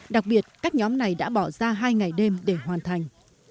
đặc biệt các nhóm này đã bỏ ra hai ngày đêm để hoàn thành